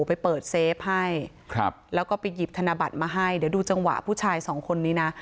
ไปเปิดเซฟให้ครับแล้วก็ไปหยิบธนบัตรมาให้เดี๋ยวดูจังหวะผู้ชายสองคนนี้นะ